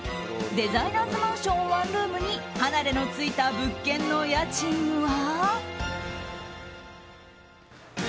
デザイナーズマンションワンルームに離れの付いた物件の家賃は。